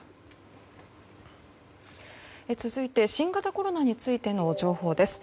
続いて新型コロナについての情報です。